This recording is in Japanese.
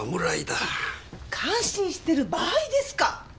感心してる場合ですか！